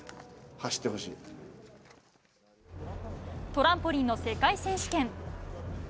トランポリンの世界選手権。